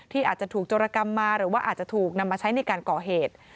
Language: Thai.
อาจจะถูกโจรกรรมมาหรือว่าอาจจะถูกนำมาใช้ในการก่อเหตุ